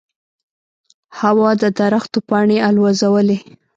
هوا د درختو پاڼې الوزولې.